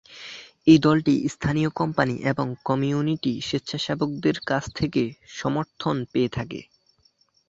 এই দলটি স্থানীয় কোম্পানি এবং কমিউনিটি স্বেচ্ছাসেবকদের কাছ থেকে সমর্থন পেয়ে থাকে।